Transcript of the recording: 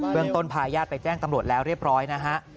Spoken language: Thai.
เรื่องต้นพาญาติไปแจ้งตำรวจแล้วเรียบร้อยนะฮะ